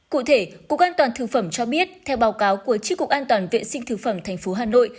cụ thể cục an toàn thực phẩm cho biết theo báo cáo của tri cục an toàn vệ sinh thực phẩm tp hà nội